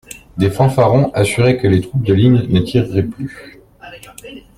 Des fanfarons assuraient que les troupes de ligne ne tireraient plus.